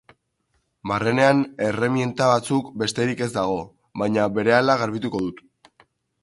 Barrenean erreminta batzuk besterik ez dago, baina berehala garbituko dut.